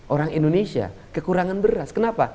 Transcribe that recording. orang indonesia kekurangan beras kenapa